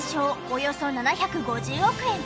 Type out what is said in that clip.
およそ７５０億円。